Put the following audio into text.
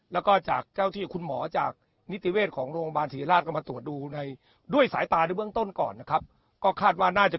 แล้วก็จากเจ้าที่คุณหมอจากนิติเวรของโรงป้านศิริราช